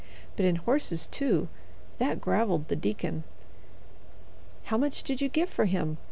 But in horses, too—that graveled the deacon. "How much did you give for him?"